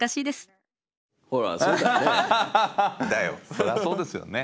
そりゃそうだよね。